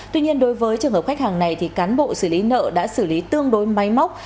tuy nhiên đối với trường hợp khách hàng này cán bộ xử lý nợ đã xử lý tương đối máy móc